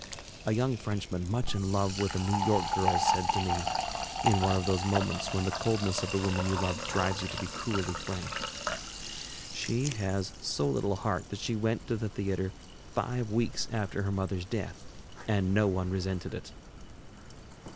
A young Frenchman much in love with a New York girl said to me, in one of those moments when the coldness of the woman you love drives you to be cruelly frank: "She has so little heart that she went to the theatre five weeks after her mother's death, and no one resented it."